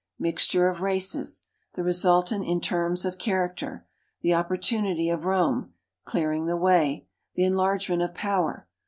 Mix ture of races. The resultant in terms of character. Tlie opportunity of Rome. Clearing the way. The enlargement of power.